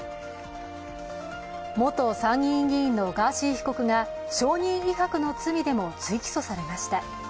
元参議院議員のガーシー被告が、証人威迫の罪でも追起訴されました。